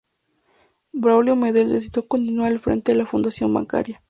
Braulio Medel decidió continuar al frente de la fundación bancaria.